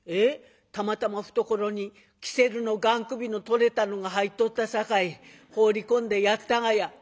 「たまたま懐に煙管のがん首の取れたのが入っとったさかい放り込んでやったがや」。